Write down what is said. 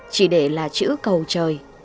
chỉ để là chữ cầu trời